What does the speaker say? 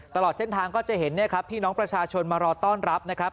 ตลอดเส้นทางก็จะเห็นเนี่ยครับพี่น้องประชาชนมารอต้อนรับนะครับ